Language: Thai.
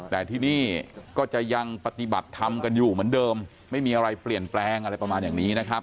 แต่ที่นี่ก็จะยังปฏิบัติธรรมกันอยู่เหมือนเดิมไม่มีอะไรเปลี่ยนแปลงอะไรประมาณอย่างนี้นะครับ